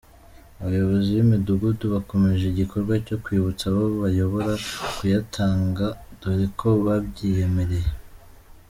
Abayobozi b’imidugudu bakomeje igikorwa cyo kwibutsa abo bayobora kuyatanga, dore ko babyiyemereye.